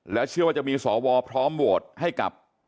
และเชื่อว่าจะมีสวพิธาคมพร้อมโหวตให้กับ